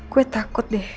gue takut deh